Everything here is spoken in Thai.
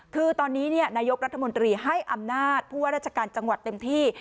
คือตอนนี้นายกรัฐมนตรีให้อำนาจผู้ว่าราชการจังหวัดเต็มที่